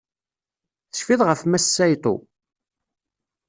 Tecfiḍ ɣef Mass Saito?